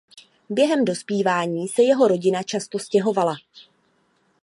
Během dospívání se jeho rodina často stěhovala.